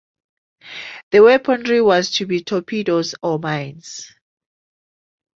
The weaponry was to be torpedoes or mines.